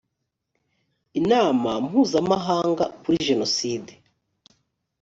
inama mpuzamahanga kuri jenoside